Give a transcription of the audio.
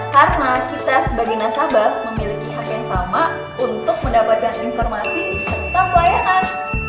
karena kita sebagai nasabah memiliki hak yang sama untuk mendapatkan informasi serta pelayanan